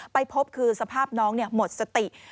ไปพบคือสภาพน้องหมดสติ